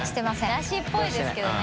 「なし」っぽいですけどね。